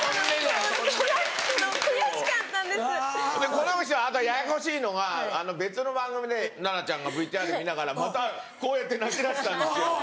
この人あとややこしいのが別の番組で奈々ちゃんがＶＴＲ見ながらまたこうやって泣き出したんですよ。